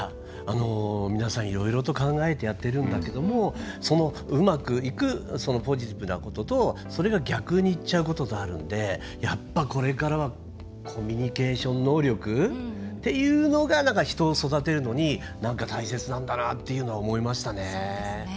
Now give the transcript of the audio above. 皆さん、いろいろと考えてやっているんだけどもうまくいくポジティブなこととそれが逆にいっちゃうこととあるのでやっぱ、これからはコミュニケーション能力っていうのが人を育てるのに大切なんだなと思いましたね。